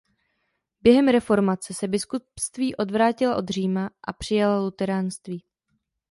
Během reformace se biskupství odvrátila od Říma a a přijala luteránství.